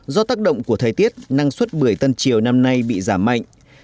do tác động của thời tiết năng suất bưởi tân triều năm nay bị giảm mạnh